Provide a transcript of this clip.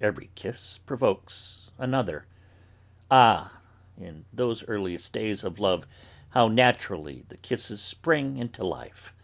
Every kiss provokes another. Ah, in those earliest days of love how naturally the kisses spring into life.